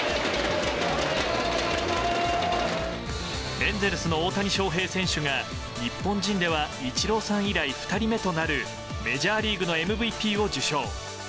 エンゼルスの大谷翔平選手が日本人ではイチローさん以来２人目となるメジャーリーグのＭＶＰを受賞。